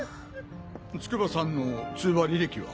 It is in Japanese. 筑波さんの通話履歴は？